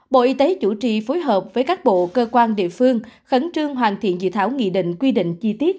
bộ y tế chủ trì phối hợp với các bộ cơ quan địa phương khẩn trương hoàn thiện dự thảo nghị định quy định chi tiết